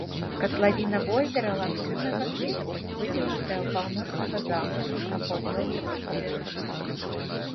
Катлавіна возера лагчыннага тыпу, выцягнутая паўночнага захаду на паўднёвы ўсход.